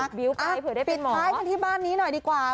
ปิดท้ายกันที่บ้านนี้หน่อยดีกว่า